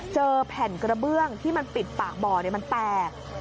เจอแผ่นกระเบื้องที่มันปิดปากบ่อมันแตก